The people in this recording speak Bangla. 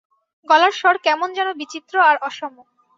গলার স্বর কেমন যেন বিচিত্র আর অসম।